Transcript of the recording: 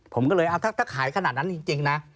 ผมก็เลยเอาถ้าขายขนาดนั้นจริงนะ